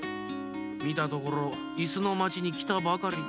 みたところいすのまちにきたばかり。